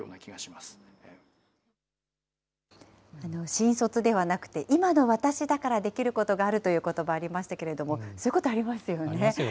新卒ではなくて、今の私だからできることがあるということばありましたけれども、ありますよね。